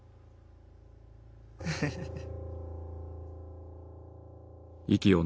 フフフフッ。